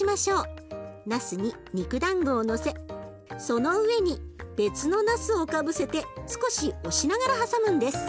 なすに肉だんごをのせその上に別のなすをかぶせて少し押しながらはさむんです。